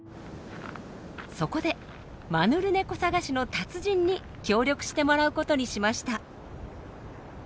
そこでマヌルネコ探しの達人に協力してもらうことにしました。